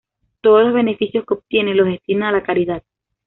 Todos los beneficios que obtiene los destina a la caridad.